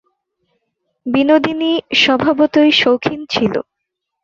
বিনোদিনী স্বাভাবতই শৌখিন ছিল।